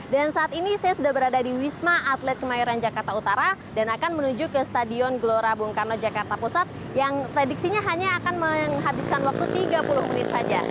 dan saat ini saya sudah berada di wisma atlet kemayoran jakarta utara dan akan menuju ke stadion glora bung karno jakarta pusat yang prediksinya hanya akan menghabiskan waktu tiga puluh menit saja